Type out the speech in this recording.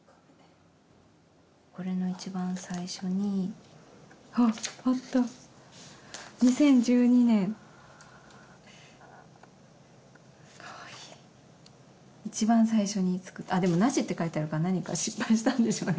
これの一番最初にあっあった２０１２年かわいい一番最初に作っあっでも「ナシ」って書いてあるから何か失敗したんでしょうね